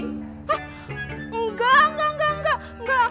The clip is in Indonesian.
hah enggak enggak enggak